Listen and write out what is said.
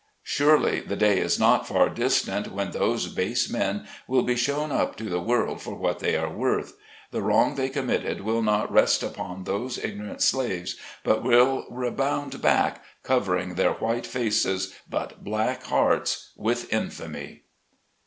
Surely, the day is not far distant when those base men will be shown up to the world for what they are worth. The wrong they committed will not rest upon those ignorant slaves, but will rebound back, covering their white faces, but black hearts, with infamy.